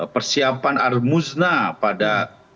persiapan armuzna pada